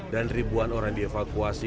dan ribuan orang dievakuasi